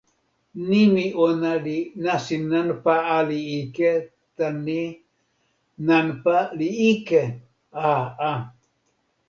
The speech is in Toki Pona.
nimi ona li “nasin nanpa ali ike” tan ni: nanpa li ike, a a!